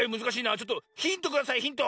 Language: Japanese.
ちょっとヒントくださいヒント。